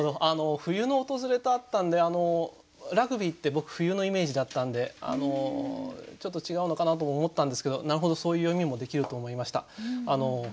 あの「冬の訪れ」とあったんでラグビーって僕冬のイメージだったんでちょっと違うのかなとも思ったんですけどなるほどそういう読みもできると思いました。